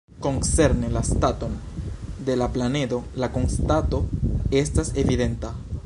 Koncerne la staton de la planedo, la konstato estas evidenta.